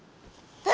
え？